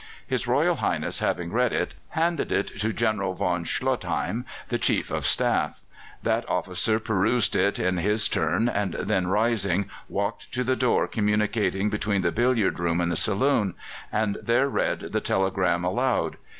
His Royal Highness, having read it, handed it to General von Schlottheim, the Chief of the Staff. That officer perused it in his turn, and then rising, walked to the door communicating between the billiard room and the saloon, and there read the telegram aloud.